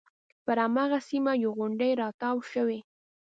پر هماغه سیمه یوه غونډۍ راتاو شوې.